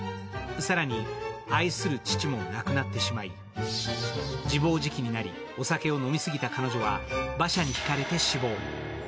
更に愛する父も亡くなってしまい、自暴自棄になり、お酒を飲み過ぎた彼女は、馬車にひかれて死亡。